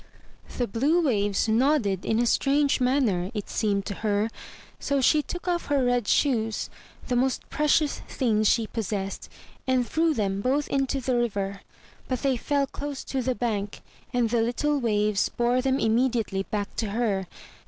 The blue waves nodded in a strange manner, it seemed to her, so she took off her red shoes, the most precious things she possessed, and threw them both into the river. But they fell close to the bank, and the little waves bore them immediately back to her.